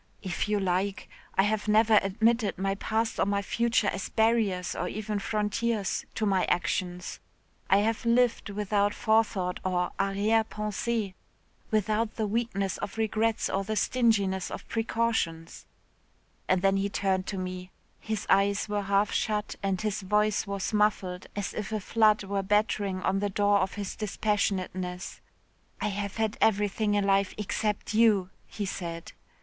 'If you like. I have never admitted my past or my future as barriers or even frontiers to my actions. I have lived without forethought or arrière pensée without the weakness of regrets or the stinginess of precautions,' and then he turned to me his eyes were half shut and his voice was muffled as if a flood were battering on the door of his dispassionateness, 'I have had everything in life except you,' he said.